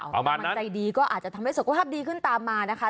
มันใจดีก็อาจจะทำให้สุขภาพดีขึ้นตามมานะคะ